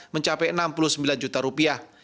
mencapai enam puluh sembilan juta rupiah